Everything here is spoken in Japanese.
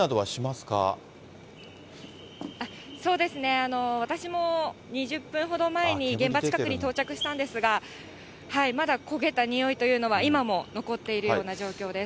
そうですね、私も２０分ほど前に現場近くに到着したんですが、まだ焦げた臭いというのは今も残っているような状況です。